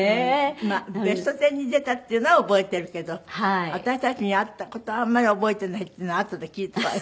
まあ『ベストテン』に出たっていうのは覚えてるけど私たちに会った事はあんまり覚えてないっていうのをあとで聞いたわよ。